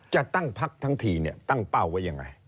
จะตั้งพักทั้งทีตั้งเป้าไว้อย่างไร